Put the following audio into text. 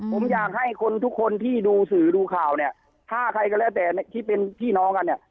ผมอยากให้คนทุกคนที่ดูสื่อดูข่าวเนี่ยถ้าใครก็แล้วแต่ที่เป็นพี่น้องกันเนี่ย